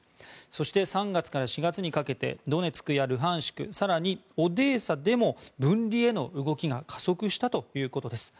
そして、３月から４月にかけてドネツクやルハンシクそしてオデーサでも分離への動きが加速したということです。